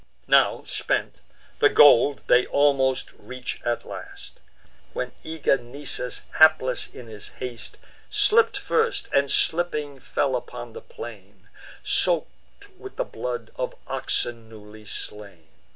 Now, spent, the goal they almost reach at last, When eager Nisus, hapless in his haste, Slipp'd first, and, slipping, fell upon the plain, Soak'd with the blood of oxen newly slain.